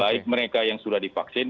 baik mereka yang sudah divaksin